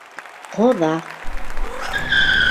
Ҡоҙа?